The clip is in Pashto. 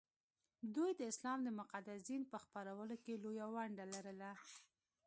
دوی د اسلام د مقدس دین په خپرولو کې لویه ونډه لرله